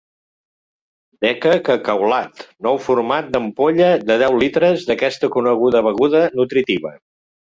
Decacacaolat: nou format d'ampolla de deu litres d'aquesta coneguda beguda nutritiva.